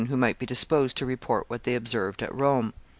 who might be disposed to report what they observed at Rome.